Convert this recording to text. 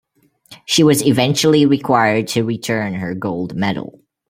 She was eventually required to return her gold medal.